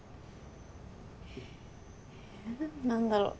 何だろう。